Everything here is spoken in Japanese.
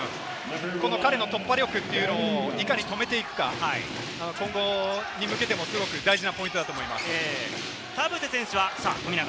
彼の突破力というのも、いかに止めていくか、今後に向けてもすごく大事なポイントだと思います。